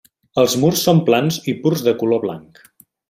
Els murs són plans i purs de color blanc.